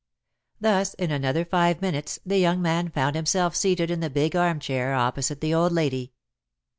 Thus in another five minutes the young man found himself seated in the big armchair opposite the old lady.